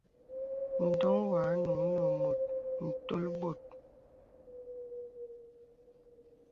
Ǹdoŋ wanùŋ nə mùt ǹtol bòt.